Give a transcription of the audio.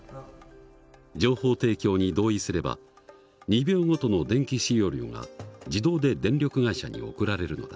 情報提供に同意すれば２秒ごとの電気使用量が自動で電力会社に送られるのだ。